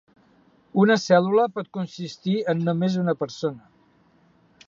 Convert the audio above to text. Una cèl·lula pot consistir en només una persona.